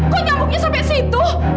kok nyambuknya sampai situ